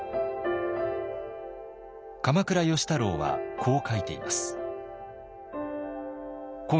鎌倉芳太郎はこう書いています。